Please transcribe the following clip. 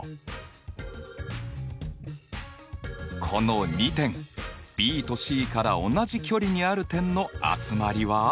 この２点ＢとＣから同じ距離にある点の集まりは。